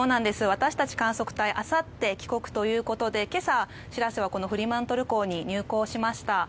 私たち、観測隊あさって帰国ということで今朝、「しらせ」はフリマントル港に入港しました。